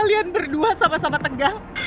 kalian berdua sama sama tegal